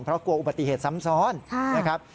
เพราะกลัวอุบัติเหตุซ้ำซ้อนนะครับ